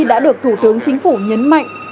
đã được thủ tướng chính phủ nhấn mạnh